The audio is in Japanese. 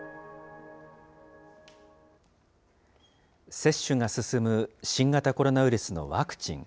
接種が進む新型コロナウイルスのワクチン。